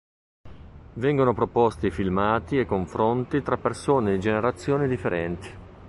Vengono proposti filmati e confronti tra persone di generazioni differenti.